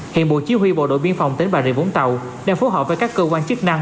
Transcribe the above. hiện bộ chí huy bộ đội biên phòng tỉnh bà rịa vũng tàu đang phối hợp với các cơ quan chức năng